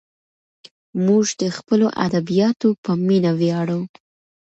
موږ د خپلو ادیبانو په مینه ویاړو.